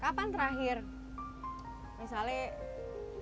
kapan terakhir misalnya